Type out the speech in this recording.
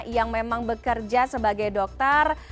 yang memang bekerja sebagai dokter